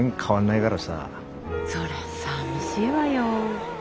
そりゃあさみしいわよ。